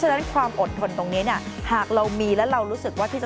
ฉะนั้นความอดทนตรงนี้เนี่ยหากเรามีแล้วเรารู้สึกว่าที่จะ